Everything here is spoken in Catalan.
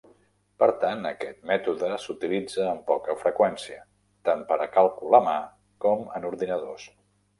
Per tant, aquest mètode s'utilitza amb poca freqüència, tant per a càlcul a mà com en ordinadors.